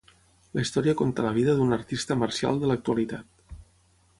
La història conta la vida d'un artista marcial de l'actualitat.